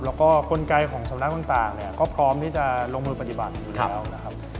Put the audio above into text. แล้วก็กลไกของสำนักต่างเนี่ยก็พร้อมที่จะลงมือปฏิบัติอยู่แล้วนะครับ